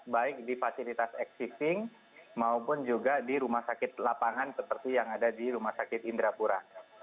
baik di fasilitas existing maupun juga di rumah sakit lapangan seperti yang ada di rumah sakit indrapura